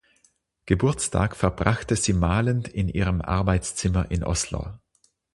Geburtstag verbrachte sie malend in ihrem Arbeitszimmer in Oslo.